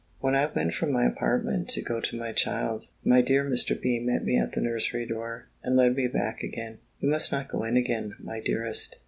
When I went from my apartment, to go to my child, my dear Mr. B. met me at the nursery door, and led me back again. "You must not go in again, my dearest.